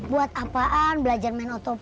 buat apaan belajar naik otopad